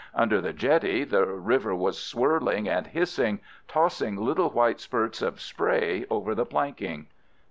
Under the jetty the river was swirling and hissing, tossing little white spurts of spray over the planking.